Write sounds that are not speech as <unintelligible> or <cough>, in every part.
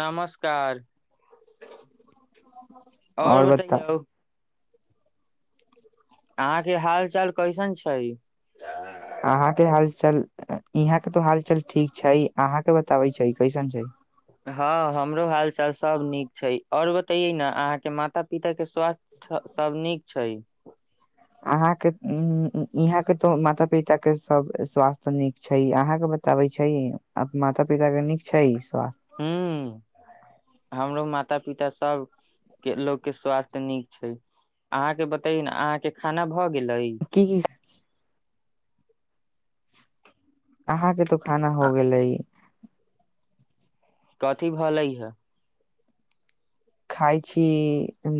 नमस्कार आओर और बताउ बतैयौ अहाँके हाल चाल कैसन छै। अहाँ के हाल चाल यहाँ के तो हाल चाल ठीक छै। अहाँ के बताबै छै, कैसन छै। हँ हमरो हाल चाल सभ नीक छै। आओर बतैयै ने अहाँके माता पिता के स्वास्थ्य सभ नीक छै। अहाँके यहाँ के तो माता पिता के सब स्वास्थ्य नीक छै, अहाँके बताबे छै, माता पिता के नीक छै। स्वास्थ्य हू हमरो माता पिता सब के लोकग के स्वास्थ्य नीक छै, अहाँ के बताे ने अहाँके खाना भऽ गेल की की अहाँके तऽ खाना हो आ- गेलै कथी भालइ है खााय छी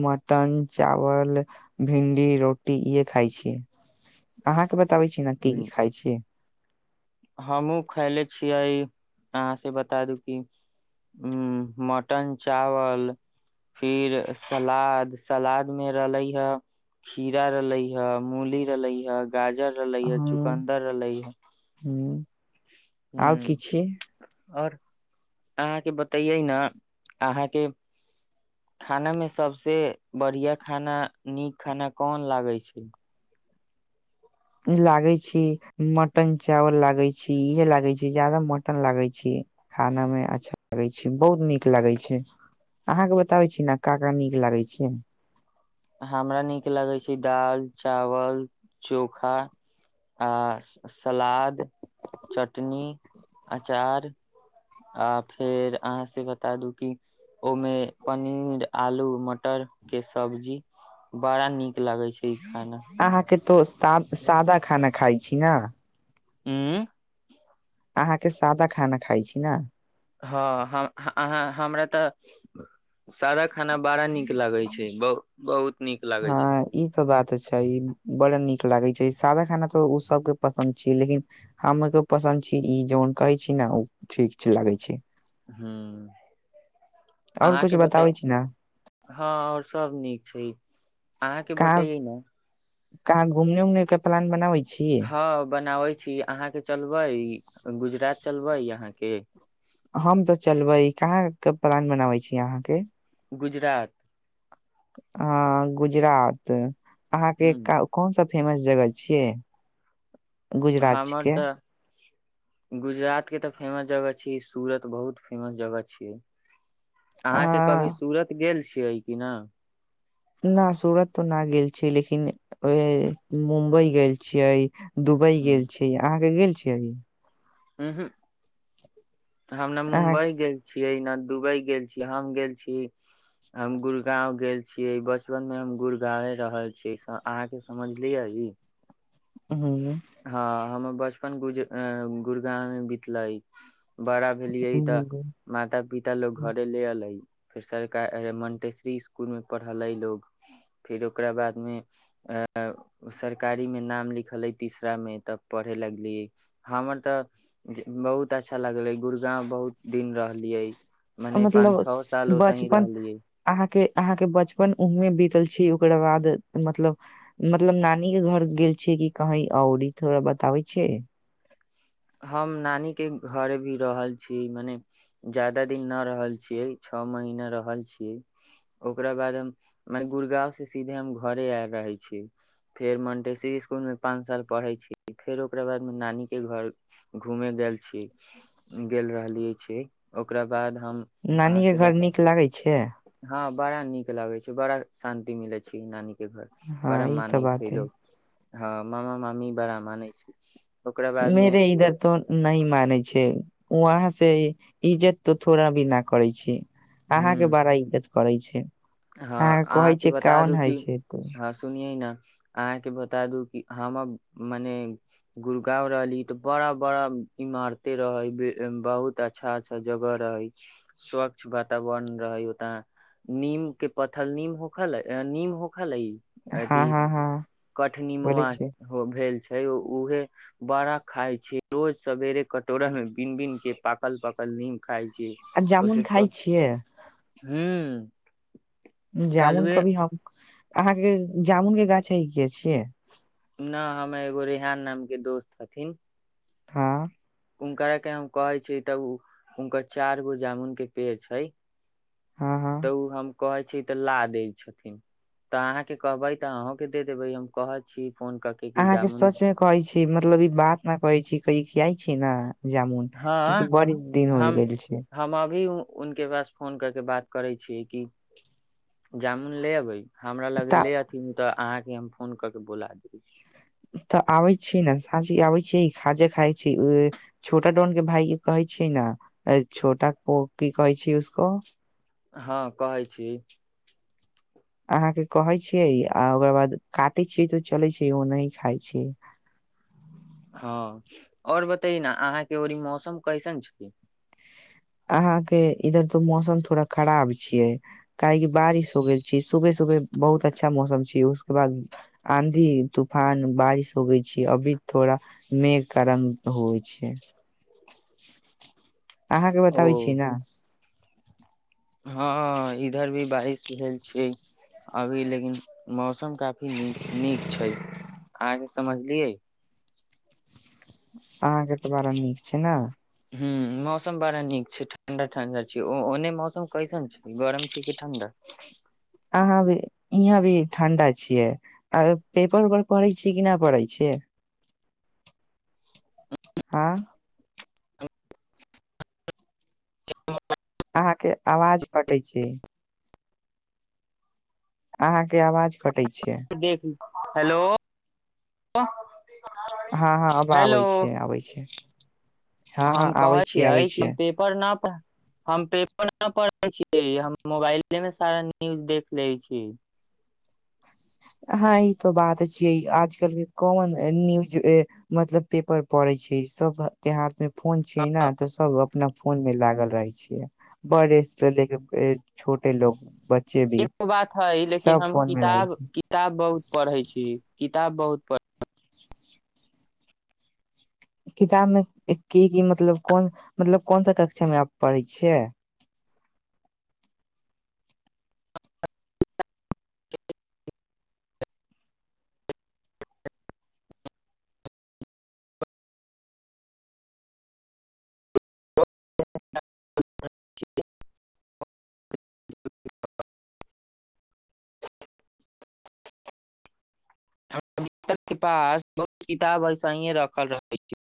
मटन चावल भिंडी रोटी इहे खााय छी अहाँके बता बताबै छी ने की की खाइ छी हमहहुँ खयले छियै अहाँ से बता दू कि उ मटन चावल फिर सलाद सलाद मे रहले हे खीरा रहले हे मूली रहलै हे गाजर रहलै ह हम चुकन्दर रहले ह आर किछ आओर अहाँके बतैयै ने अहाँके खानामे सभसे बढ़िआँ खाना नीक खाना कोन लागै छै लागै छी मटन चावल लागे छी इहे लागे छी जादा मटन लागे छी खाना मे अच्छा लागै छी बहुत नीक लागै छै अहाँके बताबै छी ने का का नीक लागै छै हमरा नीक लगै छै दाल चावल चोखा आ सलाद चटनी अचार आ फेर अहाँ से बता दू कि ओहिमे पनीर आलू मटर के सब्जी बड़ा नीक लगे छै खाना उ अहाँ के तो तऽ आब सादा खाना खाइ छी ना ह्म अहाँके सादा खाना खाइ छी नै हँ हम अहाँ हमरा तऽ सादा खाना बड़ा नीक लागै छै बहु बहुत नीक लागे छै हँ ई त बात तऽ छै बड़ा नीक लागै छै सादा खाना तऽ ओ सबके पसन्द छी लेकिन हम पसन्द छी ई जोन कहै छी ने ओ ठीक लागै छै ह्म और कुछ अहाँके बता बताबै छी ने हँ ओर सब नीक छै अहाँके कहाँ बतैयै ने कहाँ घूमने उमने के प्लान बनाबै छी हँ बनाबै छी अहाँके चलबै गुजरात चलबै अहाँके हम तऽ चलबै कहाँ के प्लान बनाबै छी अहाँके गुजरात हाँ गुजरात अहाँके ह कोन सा फेमस जगह छियै गुजरात छी हमर के तऽ गुजरात के तऽ फेमस जगह सूरत बहुत फेमस जगह छियै अ अहाँके कभी सूरत गेल छी छियै की न न सूरत तऽ न गेल छियै लेकिन उहे मुम्बई गेल छियै दुबई गेल छी अहाँके गेल <unintelligible> उ हू हम न अहाँ मुम्बई गेल छी छियै ने दुबई गेल छीयै हम गेल छी हम गुड़गाँंव गेल छीयै बचपन मे हम गुड़गाँवे रहल छीयै अहाँके समझलियै हम्म, हाँ हम बचपन गुज ए गुरगांव मे बितलै बड़ा भेलिये तऽ हम्म। माता पिता लोग घरे ले एले फेर सरकार मन्टेश्वरी इसकुलमे पढ़लै लो फेर ओकरा बादमे एइ सरकारीमे नाम लिखलै तीसरामे तब पढ़े लगलियै हमर तऽ बहुत अच्छा लगले गुड़गाव बहुत दिन रहलियै मने पान मतलब छ साल ओतही बचपन रहलियै अहाँके अहाँके बचपन उहमे बीतल छै ओकरा बाद मतलब मतलब नानी के घर गेल छिय कि कही और ई थोड़ा बताबे छियै हम नानीके घर भी रहल छी मने ज्यादा दिन न रहल छियै छ महीना रहल छियै ओकरा बाद हम मने गुड़गाँवसँ सीधे हम घरे आबि रहै छी फेर मन्टेशरी इसकुलमे पाँच साल पढ़ै छी फेर ओकरा बादमे नानीके घर घूमे गेल छियै गेल रहलिये छी ओकरा बाद हम अहाँ नानी के से घर बताउ नीक लागे छै हँ बड़ा नीक लागै छै बड़ा शान्ति मिले छी नानी के घर हँ बड़ा ई तऽ मानै छै बात है लोग हँ मामा मामी बड़ा मने छै ओकरा बाद मेेर मे इधर त नहि मानै छै वहाँ से इज्जत तो थोड़ा भी न करै छै ह अहाँके बड़ा इज्जत करै छै हँ अहाँ के कहै अहाँके छै बता काउन दू हइ की छै त हँ सुनिये ने अहाँके बता दू कि हम मने गुरगाँंव रहली तऽ बड़ा बड़ा इमारते रहै बहुत अच्छा अच्छा जगह रहै स्वच्छ वातावरण रहै ओतअ नीम के पथल नीम होखलै नीम हो ख लैय हँ अथि हँ हँ कठनी बोलै मोमा छै हो भेल छै ओ उहे बड़ा खााय छै रोज सवेरे कटोरा मे बीन बीन के पाकल पाकल नीम खाइ छी आ ओ जामुन सेे स खाइ छियै हू जामुन कभि हम अहाँके जामुन के गाछ है किये छै के न हमर एगो रेहान नामके दोस्त छथिन हाँ उनकरा के हम कहे छी तब हुनकर चार गो जामुन के पेड़ छै हँ हँ कहै छी तऽ ला दै छथिन तऽ अहाँके कहबै तऽ अहूं के दे देबै हम कहै छी फोन कऽ कि अहाँ के जामुन सच में कहै छी मतलब ई बात न कहै छी कहि किया छै ना हँ हम गेल छै हम अभी उनके पास फोन करके बात करै छियै कि जामुन ले अबै हमरा लग तऽ ले अथिन तऽ अहाँ अभी हम फोन कऽ के बोला दै छी तऽ आबै छी ने साँझी आबै छियै खाजा खाइ छै छोटा डोन के भाई कहै छै ने छोटा कऽ की कहै छै उसको हँ कहै छी अहाँके कहै छियै आ ओकर बाद काटै छियै तऽ चलै छियै ओनहि खाइ छियै ह और बतैयै न अहाँके ओनहि मौसम कैसन छै अहाँके इधर तऽ मौसम थोड़ा खराब छियै काहेकि बारिश हो गेल छी सुबह सुबह बहुत अच्छा मौसम छै उसके बाद आँधी तूफान बारिश होगई छै अभी थोड़ा मेघ गरम होइ छै अहाँके ब ओ ताबै छियै ना हँ इधर भी बारिश भेल छै अभी लेकिन मौसम काफी नीक नीक छै अ‌हाके समझलियै अहाँके तऽ बड़ा नीक छै ने हुं मौसम बड़ा नीक छै ठंडा ठंडा छै ओने मौसम कैसन छै गरम छै कि ठण्डा अहाँ भी यहाँ भी ठंडा छियै आ पेपर उपर पढ़े छियै कि ना पढ़य छियै आँ अहाँके आवाज कटै छै अहाँके आवाज कटै छै देख हेलो हँ हँ अब हेलो आबै छै आबै छै हँ हँ हम कहै आबै छै छियै आबै कि छै पेपर न प हम पेपर न पढ़ै छियै हम मोबाइले मे सारा न्यूज देख लैय छी हँ ई तो बात छियै आजकल के कॉमन न्यूज मतलब पेपर पड़े छै सब के हाथ मे फोन छियै ने तऽ सब अपना फोन मे लागल रहे छियै बेड़े से ले के छोटे लोग बच्चे भी एगो बात है लेकिन सब हम फोन में लागै किताब छै किताब बहुत पढ़ै छी किताब बहुत पढ़ किताब मे की की मतलब कोन मतलब कोन सा कक्षामे आब पढ़ै छियै <unintelligible> <unintelligible> हमर बिस्तर के पास बहुत किताब ऐसहिए रखल रह छै